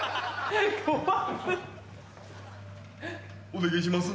お願ぇします。